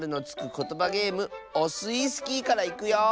ことばゲームオスイスキーからいくよ。